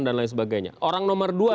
lain sebagainya orang nomor dua